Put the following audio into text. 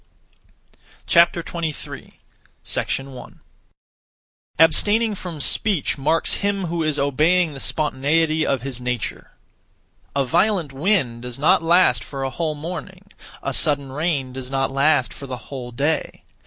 23. 1. Abstaining from speech marks him who is obeying the spontaneity of his nature. A violent wind does not last for a whole morning; a sudden rain does not last for the whole day.